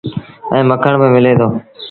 ائيٚݩ مکڻ با ملي دو۔